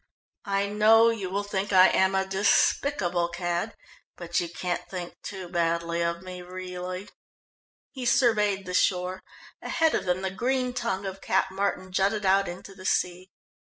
"I know you will think I am a despicable cad, but you can't think too badly of me, really." He surveyed the shore. Ahead of them the green tongue of Cap Martin jutted out into the sea.